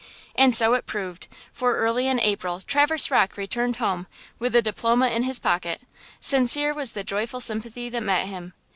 And so it proved, for early in April Traverse Rocke returned home with a diploma in his pocket. Sincere was the joyful sympathy that met him.